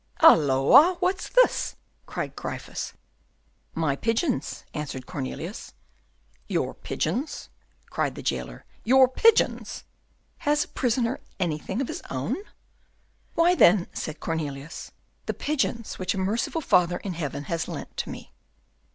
"Halloa! what's this?" cried Gryphus. "My pigeons," answered Cornelius. "Your pigeons," cried the jailer, "your pigeons! has a prisoner anything of his own?" "Why, then," said Cornelius, "the pigeons which a merciful Father in Heaven has lent to me."